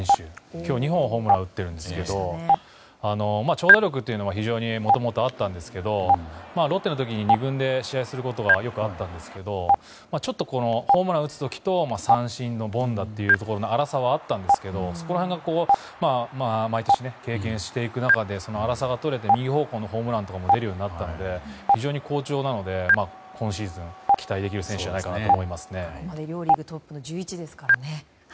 今日、２本のホームランを打ってるんですけど長打力が非常にもともとあったんですけどロッテの時に２軍で試合することがよくあったんですけどちょっとホームランを打つ時と三振の凡打というところの粗さはあったんですがそこら辺が毎年経験していく中で粗さがとれて右方向のホームランも出るようになったので非常に好調なので今シーズン期待できる選手じゃないかなと両リーグトップの１１ですからね。